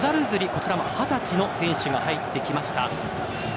こちらも二十歳の選手が入ってきました。